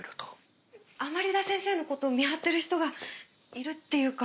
甘利田先生の事を見張ってる人がいるっていうか。